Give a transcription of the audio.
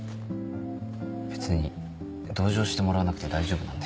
別に同情してもらわなくて大丈夫なんで。